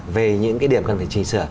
về những cái điểm cần phải chỉnh sửa